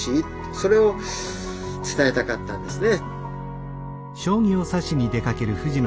それを伝えたかったんですね。